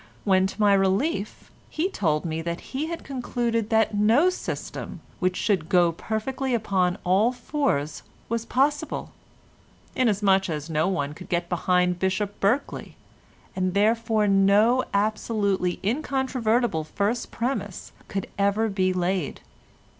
when to my relief, he told me that he had concluded that no system which should go perfectly upon all fours was possible, inasmuch as no one could get behind Bishop Berkeley, and therefore no absolutely incontrovertible first premise could ever be laid.